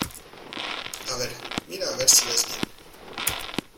a ver, mira a ver si ves bien.